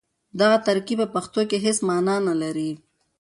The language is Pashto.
دغه ترکيب په پښتو کې هېڅ مانا نه لري.